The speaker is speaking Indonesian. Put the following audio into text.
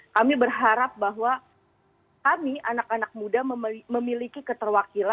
kami berharap bahwa kami anak anak muda memiliki keterwakilan